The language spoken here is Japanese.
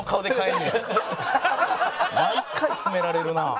毎回詰められるなあ。